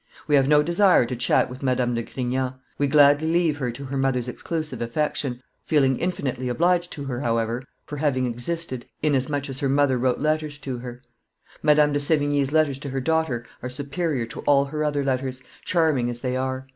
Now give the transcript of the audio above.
We have no desire to chat with Madame de Grignan; we gladly leave her to her mother's exclusive affection, feeling infinitely obliged to her, however, for having existed, inasmuch as her mother wrote letters to her. Madame de Sevigne's letters to her daughter are superior to all her other letters, charming as they are.